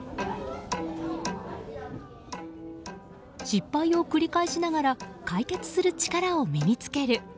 失敗を繰り返しながら解決する力を身に付ける。